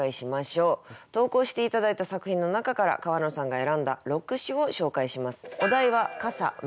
投稿して頂いた作品の中から川野さんが選んだ６首を紹介します。